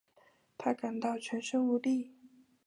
她感到全身无力